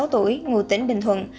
hai mươi sáu tuổi ngụ tỉnh bình thuận